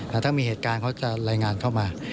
แต่ถ้ามีเหตุการณ์เขาจะรายงานเข้ามา